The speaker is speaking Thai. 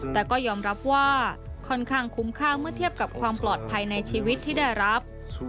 แต่ก็ยอมรับว่าค่อนข้างคุ้มค่าเมื่อเทียบกับความปลอดภัยในชีวิตที่ได้รับ